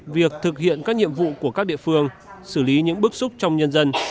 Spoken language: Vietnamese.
việc thực hiện các nhiệm vụ của các địa phương xử lý những bức xúc trong nhân dân